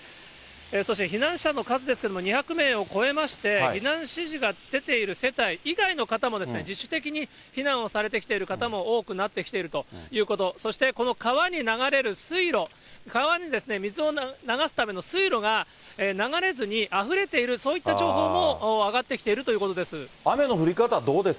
そして避難者の数ですけれども、２００名を超えまして、避難指示が出ている世帯以外の方もですね、自主的に避難をされてきている方も多くなってきているということ、そして、この川に流れる水路、川に水を流すための水路が流れずにあふれている、そういった情報も上がってきているということです。